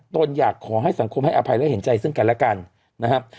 ตนอยากขอให้สังคมให้อภัยและเห็นใจซึ่งกันแล้วกันนะครับ